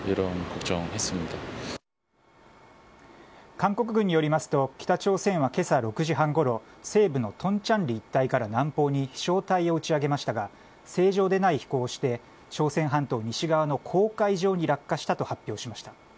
韓国軍によりますと北朝鮮は今朝６時半ごろ西部のトンチャンリ一帯から南方に飛翔体を打ち上げましたが正常でない飛行として朝鮮半島西側の黄海上に落下したと発表しました。